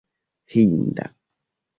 hinda